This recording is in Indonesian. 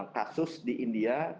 kasus di india